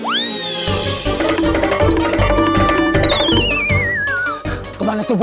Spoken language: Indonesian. jangan jangan dia kesitu tuh